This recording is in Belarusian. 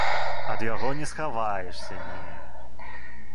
Ад яго не схаваешся, не!